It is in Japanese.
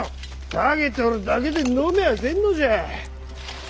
下げとるだけで飲みゃあせんのじゃ。